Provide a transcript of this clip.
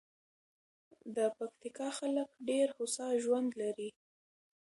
د پکتیکا خلک ډېر هوسا ژوند لري.